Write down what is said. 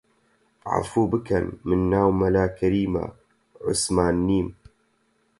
عەفوو بکەن من ناوم مەلا کەریمە، عوسمان نیم